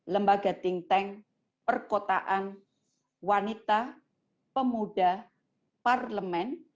lembaga ting teng perkotaan wanita pemuda parlemen